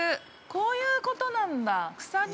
◆こういうことなんだー。